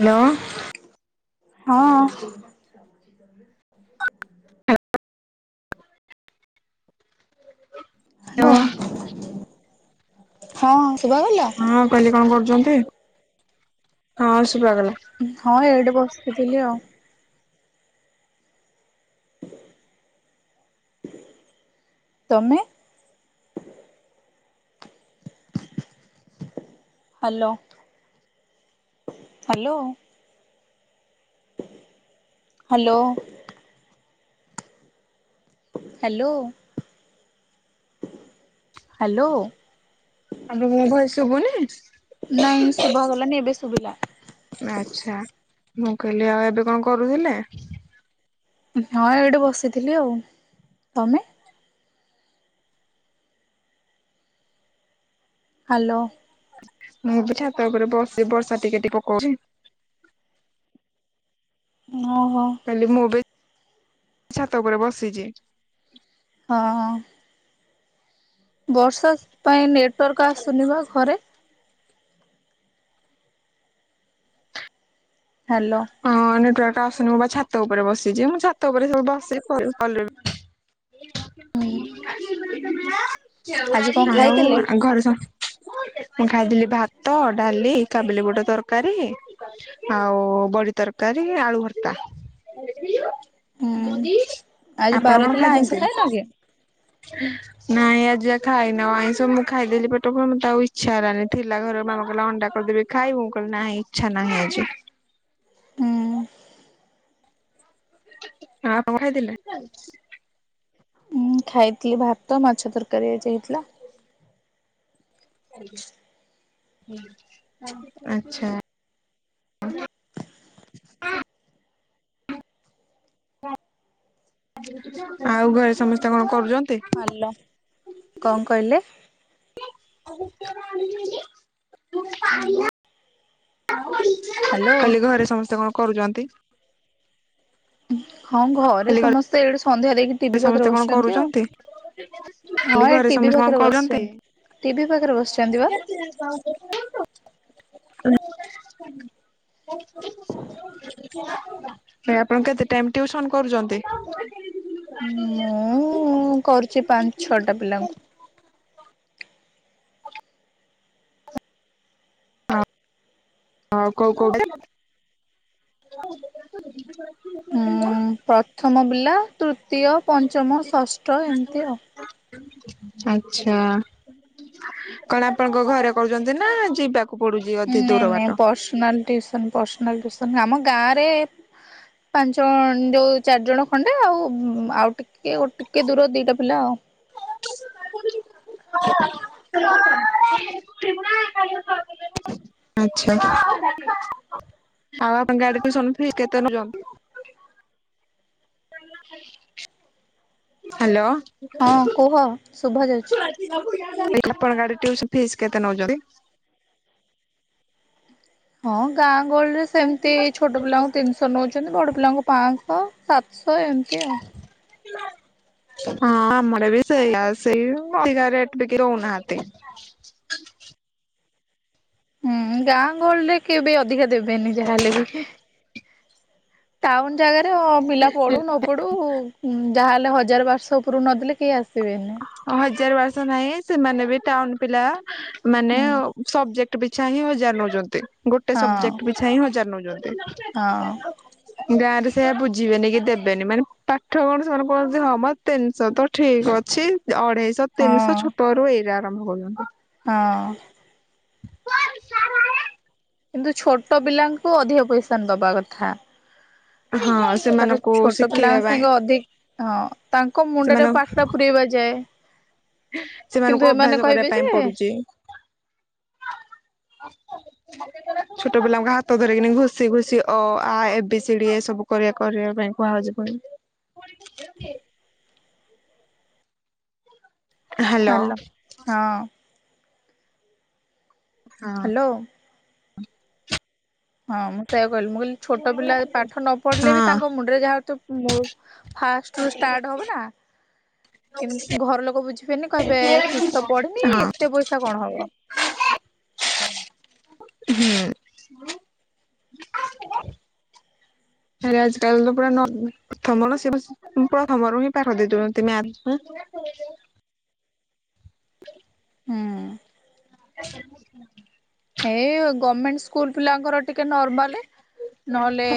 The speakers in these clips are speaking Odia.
ହ୍ୟାଲୋ ହଁ। ହ୍ୟାଲୋ ହଁ ଶୁଭାଗଲା ହଁ କହିଲି କଣ କରୁଛନ୍ତି ହଁ ଶୁଭାଗଲା। ହଁ ଏଇଠି ବସିଥିଲି ଆଉ। ତମେ। Hello hello. Hello. Hello. Hello. [unintelligible] ମୋ କଥା ଶୁଭୁନି ନାଇଁ ଶୁଭା ଗଲାନି ଏବେ ଶୁଭିଲା ଆଛା ମୁଁ କହିଲି ଆଉ ଏବେ କଣ କରୁଥିଲେ? ହଁ ଏଇଠି ବସିଥିଲି ଆଉ ତମେ ହ୍ୟାଲୋ। ମୁଁ ବି ଛାତ ଉପରେ ବସିିଚି ବର୍ଷା ଟିକେ ଟିକେ ପକଉଛିି। ହଉ ହଉ। ହେଲେ ମୁଁ ବି ଛାତ ଉପରେ ବସିଚି। ହଁ ହଁ। ବର୍ଷା ପାଇଁ ନେଟୱାର୍କ୍ ଆସୁନି ପା ଘରେ। ହାଲୋ ହଁ ନେଟୱାର୍କ ଟା ଆସୁନି ମୁଁ ବା ଛାତ ଉପରେ ବସିଛି ମୁଁ ଛାତ ଉପରେ ବସେ ସବୁ ଫୋ ହୁଁ [unintelligible] ଆଜି କଣ ଖାଇଥିଲେ? ଆଉ ଘରେ ସବୁ? ମୁଁ ଖାଇଥିଲି ଭାତ, ଡାଲି, କାବିଲି ବୁଟ ତରକାରୀ ଆଉ ବଡି ତରକାରୀ ଆଳୁ ଭର୍ତା। ହୁଁ ଆଜି ଆପଣ ବାର କଣ ଥିଲା ଆଇଁଷ ଖାଇଛନ୍ତି? ଖାଇନ କି? ନାଇଁ ଆ ଯା ଖାଇନ ଆଇଁଷ ମୁଁ ଖାଇଦେଲି ପେଟ ଫୁଲ ମତେ ଆଉ ଇଚ୍ଛା ହେଲାନି ଥିଲା ଘର ମାମା କହିଲା ଅଣ୍ଡା କରିଦେବି? ଖାଇବୁ ମୁଁ କହିଲି ନାହିଁ ଇଚ୍ଛା ନାହିଁ ଆଜି। ହୁଁ ଆପଣ କଣ ଖାଇଥିଲ? ମୁଁ ଖାଇଥିଲି ଭାତ ମାଛ ତରକାରୀ ଆଜି ହେଇଥିଲା। ଆଛା। ଆଉ ଘରେ ସମସ୍ତେ କଣ କରୁଚନ୍ତି? ହାଲୋ କଣ କହିଲେ? [unintelligible] ହ୍ୟାଲୋ କହିଲି ଘରେ ସମସ୍ତେ କଣ କରୁଚନ୍ତି? ହଁ ଘରେ ସମସ୍ତେ ଏଇଡେ ସନ୍ଧ୍ୟା ଦେଇକି ଟିଭି ପାଖରେ ସମସ୍ତେ କଣ ବସିଛନ୍ତି ଆଉ କରୁଛନ୍ତି? ହଁ କହିଲି ଏ ଘରେ ସମସ୍ତେ ଟିଭି କଣ ପାଖରେ କରୁଛନ୍ତି? ବସିଛନ୍ତି। ଟିଭି ପାଖରେ ବସିଛନ୍ତି ବା। [unintelligible] [unintelligible] ଆପଣ କେତେ ଟାଇମ ଟିଉସନ କରୁଚନ୍ତି? [unintelligible] ମୁଁ କରୁଛି ପାଞ୍ଚ ଛଅଟା ପିଲାଙ୍କୁ। ଓହଃ କଉ କଉ ପିଲା? [unintelligible] ପ୍ରଥମ ପିଲା, ତୃତୀୟ, ପଞ୍ଚମ, ଷଷ୍ଠ ଏମିତି ଆଉ ଆଚ୍ଛା। କଣ ଆପଣଙ୍କ ଘରେ କହୁଛନ୍ତି, ନା ଯିବା ନାଇଁ ନାଇଁ ପର୍ସନାଲ ଟିଉସନ ପାର୍ସନାଲ ଟିଉସନ ଆମ ଗାଁ ରେ ପାଞ୍ଚଣ ଯୋଉ ଚାରିଜଣ ଖଣ୍ଡେ ଆଉ ଆଉ ଟିକେ ଟିକେ ଦୂର ଦିଟା ପିଲା ଆଉ। [unintelligible] ଆଛା ଆଉ ଆପଣଙ୍କ ଗାଡି ଶୁଣୁ ଥିବେ କେତେ [unintelligible] ହାଲୋ। ହଁ କୁହ ଶୁଭା ଯାଉଛି। ଆପଣଙ୍କ ଆଡ଼େ ଟିଉସନ ଫିସ କେତେ ନଉଛନ୍ତି? ହଁ ଗାଁ ଗହଳିରେ ସେମିତି ଛୋଟ ପିଲାଙ୍କୁ ତିନିଶହ ନଉଛନ୍ତି, ବଡ ପିଲାଙ୍କୁ ପାଞ୍ଚଶହ, ସାତଶହ, ଏମିତି ଆଉ। [unintelligible] ହଁ ଆମ ଆଡେ ବି ସେଇଆ ସେଇ ଅଧିକା ରେଟ ବି କେହି ଦଉନାହାନ୍ତି। ହୁଁ ଗାଁ ଗହଳିରେ କିଏ ବି ଅଧିକା ଦେବେନି ଯାହାହେଲେ ବି ଟାଉନ ଜାଗାରେ ପିଲା ପଢୁ ନ ପଢୁ ଯାହାହେଲେ ହଜାର ଵାରଶହ ଉପର କୁ ନଦେଲେ କେହି ଆସିବେନି। ହଜାର ବରଶହ ନାହିଁ, ସେମାନେ ବି ଟାଉନ ପିଲା ମାନେ ହୁଁ ସବଜେକଟ ପିଛା ହିଁ ହଜାର ନଉଛନ୍ତି, ଗୋଟେ ହଁ ସବଜେକ୍ଟ ପିଛା ହିଁ ହଜାର ନଉଛନ୍ତି। ହଁ। [unintelligible] ଗାଁ ରେ ସେୟା ବୁଝିବେନି, କି ଦେବେନି ମାନେ ପାଠ କଣ ସେମାନେ କଣ ହଁ ମ ତିନି ଶହ ତ ଠିକ ଅ ଛି ଅଢେଇଶହ ତିନିଶହ ହଁ। ଛୋଟ ରୁ ଏଇରା ଆରମ୍ଭ କରୁଛନ୍ତି। ହଁ। [unintelligible] କିନ୍ତୁ ଛୋଟ ପିଲାଙ୍କୁ ଅଧିକ ପଇସା ଦେବା କଥା। ହଁ। ତାର ସେମାନଙ୍କୁ ଛୋଟ ଶିଖେଇବା ପିଲାଙ୍କ ପାଇଁ ସାଙ୍ଗେ ଅଧିକ ହଁ ତାଙ୍କ ମୁଣ୍ଡରେ ସେମାନ ପାଠଟା ପୁୁରଇବା ଯାଏ। କିନ୍ତୁ ସେମାନଙ୍କୁ ଏମାନେ ଅଭ୍ୟାସ କରିବା କହିବେ ଯେ ପାଇଁ ପଡୁଛି। [unintelligible] ଛୋଟ ପିଲାଙ୍କ ହାତ ଧରିକିନି ଘୁଷି ଘୁଷ ଅ, ଆ, ଏବେ, ସିଡି, ଏ ସବୁ କରିବା କରିବା ପାଇଁ କୁହାହଉଚି। [unintelligible] ହ୍ୟାଲୋ ହଁ। ହଁ। ହ୍ୟାଲୋ। ହଁ ମୁଁ ସେଇୟ କହିଲି ମୁଁ କହିଲି ଛୋଟ ପିଲା ପାଠ ନ ପଢିଲେ ବି ତାଙ୍କ ମୁ ମୁଣ୍ଡରେ ଜାହତୁ ଫାର୍ଷ୍ଟ ରୁ ଷ୍ଟାର୍ଟ ହବ ନାଁ। କିନ୍ତ ଘର ଲୋକ ବୁଝିବେନି କହିବେ କିଛି ତ ପଢିନି ହଁ ଏତେ ପଇସା କଣ ହବ। ହୁଁ। ଫରେ ଆଜି କାଲ ତ ପୁରା [unintelligible] ପ୍ରଥମରୁ ହିଁ ପାଠ ଦେଇଦୋଉଛନ୍ତି, ମ୍ୟାଥ। ହୁଁ ଏଇ ଗମେଣ୍ଟ ସ୍କୁଲ ପିଲାଙ୍କର ଟିକେ ନର୍ମାଲ, ନହଲେ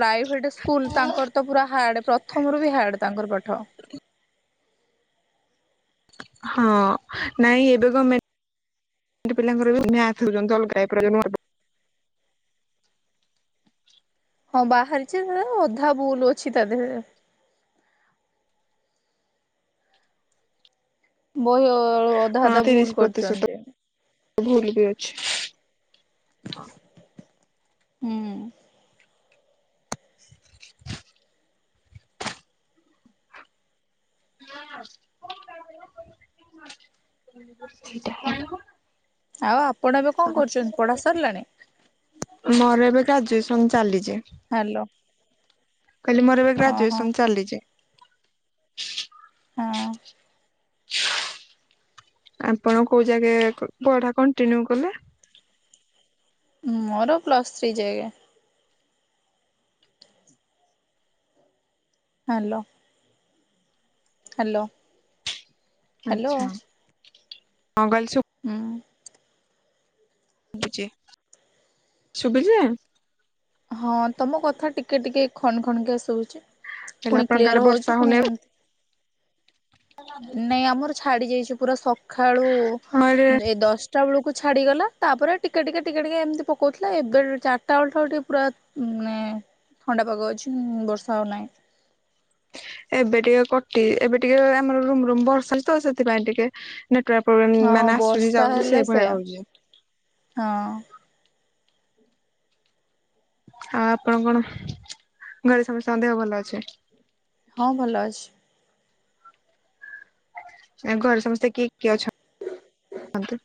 ପ୍ରାଇଭେଟ ସ୍କୁଲ ତାଙ୍କର ତ ପୁରା ହାର୍ଡ଼ ପ୍ରଥମରୁ ବି ହାର୍ଡ଼ ତାଙ୍କର ପାଠ। ହଁ ନାଇଁ ଏବେ ଗମେ ମେଣ୍ଟ ପିଲାଙ୍କର ବି ମ୍ୟାଥ ଦଉଛନ୍ତି ଅଲଗା [unintelligible] ହଁ ବାହାରିଛି ଅଧା ବୁଲ ଅଛି ତା ଦେହରେ। ବହି ଅଧା ହଁ ଅଧା ତିରିଶ ଭୁଲ ପ୍ରତିଶତ କରୁଛନ୍ତି। ଭୁଲ ବି ଅଛି। ହୁଁ। [unintelligible] [unintelligible] ଆଉ ଆପଣ ଏବେ କଣ କରୁଛନ୍ତି, ପଢା ସରିଲାଣି? ମୋର ଏବେ ଗ୍ରାଜୁଏସନ ଚାଲିଛି। ହାଲୋ। କଇଲି ମୋର ଏବେ ଗ୍ରାଜୁଏସନ ଚାଲିଛି। ହଁ। ଆପଣ କୋଉ ଜାଗେ ପଢା କଣ୍ଟିନ୍ୟୁ କଲେ? ମୋର ପ୍ଲସ୍ ଥ୍ରୀ ଯାଏକେ। ହାଲୋ। ହ୍ୟାଲୋ। ହ୍ୟାଲୋ ଆଛା କଣ କହିଲେ ଶୁବ୍ ହୁଁ। [unintelligible] ଶୁଭୁଚି? ହଁ ତମ କଥା ଟିକେ ଟିକେ ଖଣ୍ଡ ଖଣ୍ଡକେ ଶୁଭୁଛି ହେଲେ ପୁଣି ଆପଣଙ୍କ ଆଡେ କ୍ଲିଅର ବର୍ଷା ହଉଛି ହଉନି ପୁଣି ଏବେ? ଏମିତି ନାଇଁ ଆମର ଛାଡି ଯାଇଛି ପୁରା ସଖାଳୁ ଆମ ଆଡ଼େ ଏ ଦଶଟା ବେଳକୁ ଛାଡ଼ିଗଲା ତାପରେ ଟିକେ ଟିକେ ଟିକେ ଟିକେ ଏମିତି ପକଉଥିଲା ଏବେ ଚାରିଟା ବେଳଠାରୁ ଟିକେ ପୁରା [inaudible] ଥଣ୍ଡାପାଗ ଅଛି ଉଁ ବର୍ଷା ଆଉ ନାଇଁ। ଏବେ ଟିକେ କଟି ଏବେ ଟିକେ ଆମର ରୁମ ରୁମ ବର୍ଷା ହଉଛି ତ ସେଥିପାଇଁ ଟିକେ ନେଟୱାର୍କ ପ୍ରୋବ୍ଲେମ୍ ହଁ ମାନେ ଆସୁଛି ବର୍ଷା ଯାଉଚି ହେଲେ ସେଇଭଳିଆ ସେୟା ହଉଛି। ହଁ। ଆଉ ଆପଣ କଣ, ଘରେ ସମସ୍ତଙ୍କ ଦେହ ଭଲ ଅଛି? ହଁ ଭଲ ଅଛି। ଆଉ ଘରେ ସମସ୍ତେ କିଏ କିଏ ଅଛନ୍ତି?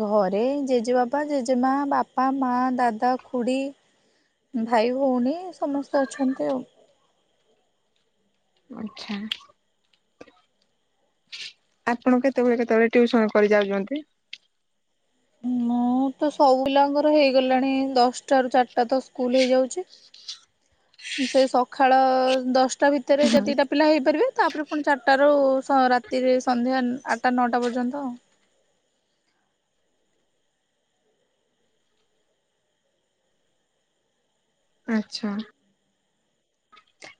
ଘରେ ଜେଜେବାପା, ଜେଜେମା, ବାପା, ମା, ଦାଦା ଖୁଡ଼ି ଭାଇ ଭଉଣୀ ସମସ୍ତେ ଅଛନ୍ତି ଆଉ। ଆଛା। ଆପଣ କେତେବେଳେ କେତେବେଳେ ଟ୍ୟୁସନ କରି ଯାଉଛନ୍ତି? ମୁଁ ତ ସବୁ ପିଲାଙ୍କର ହେଇଗଲାଣି ଦଶଟା ରୁ ଚାରିଟା ତ ସ୍କୁଲ ହେଇଯାଉଛି ସେ ସଖାଳ ଦଶଟା ଭିତରେ ଯେତିକିଟା ପିଲା ହେଇପାରିବେ ତାପରେ ପୁଣି ଚାରିଟାରୁ ସ ରାତିରେ ସନ୍ଧ୍ୟା ଆଠଟା ନଅଟା ପର୍ଯ୍ୟନ୍ତ ଆଉ। ଆଛା।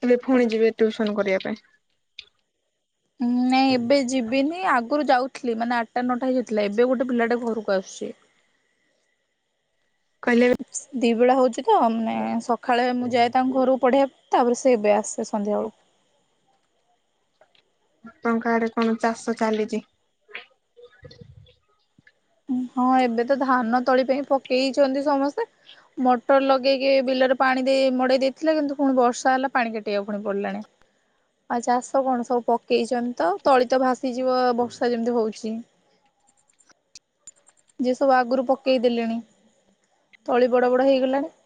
ଏବେ ଫୁଣି ଯିବେ ଟ୍ୟୁସନ କରିବା ପାଇଁ? ଉଁ ନାଇଁ ଏବେ ଯିବିନି ଆଗରୁ ଯାଉ ଥିଲି ମାନେ ଆଠଟା ନଅଟା ହେଇ ଯାଉଥିଲା ଏବେ ଗୋଟେ ପିଲାଟା ଘରକୁ ଆସୁଛି। କହିଲେ ଦି ବେଳା ହଉଛି ତ ମାନେ ସଖାଳେ ମୁଁ ଯାଏ ତାଙ୍କ ଘରକୁ ପଢ଼େଇବା ତାପରେ ସେ ଏବେ ଆସେ ସନ୍ଧ୍ୟାବେଳକୁ। ଆପଣଙ୍କ ଆଡେ କଣ ଚାଷ ଚାଲିଛି? ହଁ ଏବେ ତ ଧାନ ତଳି ପାଇଁ ପକେଇଛନ୍ତି ସମସ୍ତେ ମଟର ଲଗେଇକି ଏଇ ବିଲରେ ପାଣି ଦେଇ ମଡ଼େଇ ଦେଇଥିଲେ କିନ୍ତୁ ପୁଣି ବର୍ଷା ହେଲା ପାଣି କାଟେଇବାକୁ ପୁଣି ପଡ଼ିଲାଣି। ଆଉ ଚାଷ କଣ ସବୁ ପକେଇଛନ୍ତି ତ ତଳି ତ ଭାସିଯିବ ବର୍ଷା ଯେମିତି ହଉଛି। ଯିଏ ସବୁ ଆଗରୁ ପକେଇ ଦେଲେଣି ତଳି ବଡ ବଡ ହେଇଗଲାଣି।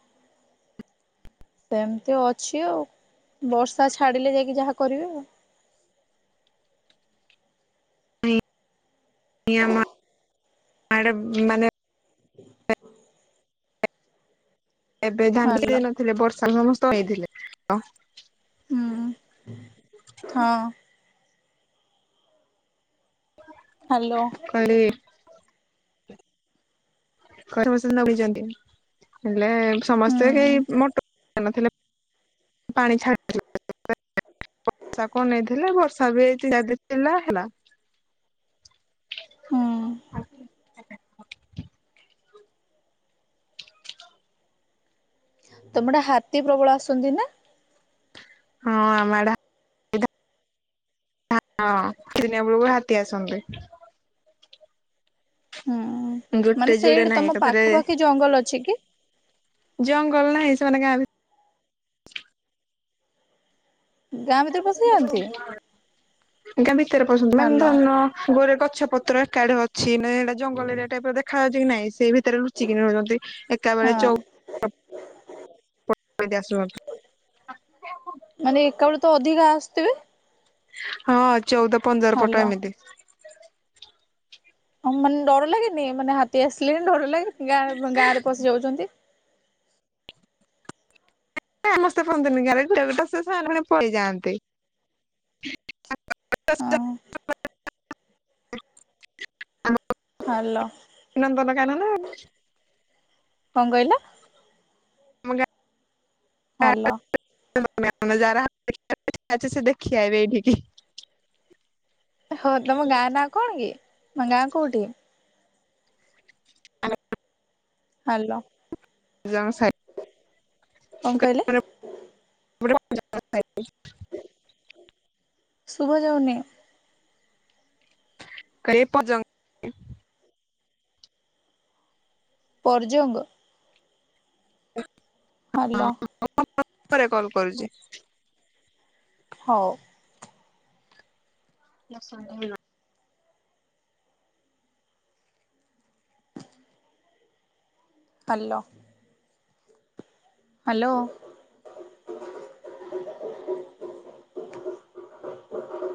ସେମିତି ଅଛି ଆଉ ବର୍ଷା ଛାଡ଼ିଲେ ଯାଇକି ଯାହା କରିବେ ଆଉ। [unintelligible] ଆଡ଼େ ମାନେ [inaudible] ଏବେ ଧାନ [unintelligible] ହାଲୋ ଦେଇ ନଥିଲେ ବର୍ଷାକୁ ସମସ୍ତେ ଅନେଇଥିଲେ ତ ହୁଁ ହଁ। ହ୍ୟାଲୋ। କହିଲି [unintelligible] ହେଲେ ହୁଁ ସମସ୍ତେ କେହି ମୋଟ ନଥିଲେ [unintelligible] ପାଣି ଛାଡ଼ି ବର୍ଷା କୁ ଅନେଇଥିଲେ ବର୍ଷା ବି ହେଇଥିଲା ହେଲା। ହଁ। [inaudible] ତମେ ଆଡେ ହାତୀ ପ୍ରବଳ ଆସନ୍ତି ନା? ହଁ ଆମ ଆଡେ ହା ହଁ ଦିନ ବେଳକୁ ହାତୀ ଆସନ୍ତି। ହୁଁ ଗୋଟେ ମାନେ ଯୋଡେ ସେଇଠି ନାହିଁ ତମ ଏକାଥରେ ପାଖାପାଖି ଜଙ୍ଗଲ ଅଛି କି? ଜଙ୍ଗଲ ନାହିଁ ସେମାନେ ଗାଁ ଭି ଗାଁ ଭିତରେ ପଶିଯାଆନ୍ତି [unintelligible] ଆଜ୍ଞା ଭିତରେ ପସନ୍ତି ମାନେ ହାଲୋ ଧନ ଗୋରେ ଗଛ ପତ୍ର ଏକାଠି ଅଛି ନା ଏଇଟା ଜଙ୍ଗଲ ଏରିଆ ଟାଇପ୍ ର ଦେଖାଯାଉଚି କି ନାଇଁ ସେ ଭି ରେ ଲୁଚିକିନ ରଉଛନ୍ତି ହଁ ଚଉ [unintelligible] ମାନେ ଏକା ବଳେ ତ ଅଧିକା ଆସୁଥିବେ? ହଁ ଚଉଦ ପନ୍ଦର ପଟ ହାଲୋ। ଏମିତି। ହଁ ମାନେ ଡର ଲାଗେନି ମାନେ ହାତୀ ଆସିଲେ ଡର ଲାଗେନି ଗାଁ ଗାଁରେ ପଶି ଯାଉଛନ୍ତି। ସମସ୍ତେ ରୁହନ୍ତିନି ଗାଁ ରେ ସେ ସାର ମାନେ ପଳେଇଯାଆନ୍ତି। ହଁ [unintelligible] ହ୍ୟାଲୋ ନନ୍ଦନକାନନ କଣ କହିଲେ? [unintelligible] ହାଲୋ [unintelligible] ଦେଖି ଆଇବେ ଏଠିକି ହଉ ତମ ଗାଁ ନାଁ କଣ କି ତମ ଗାଁ କୋଉଠି? ହାଲୋ। ଜଙ୍ଗଲ ସାଇ କଣ କହିଲେ? ବ [inaudible] ଶୁଭା ଯାଉନି। କେ ପର୍ଜନ୍ତ। ପରଜଙ୍ଗ? ହେଲୋ। ମୁଁ ପରେ କଲ କରୁଚି। ହଉ। ନା ସହେ ନ। ହେଲୋ। ହେଲୋ।